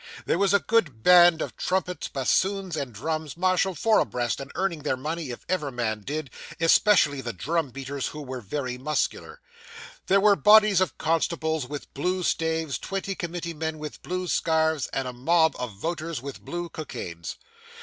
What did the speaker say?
There was a grand band of trumpets, bassoons, and drums, marshalled four abreast, and earning their money, if ever men did, especially the drum beaters, who were very muscular. There were bodies of constables with blue staves, twenty committee men with blue scarfs, and a mob of voters with blue cockades.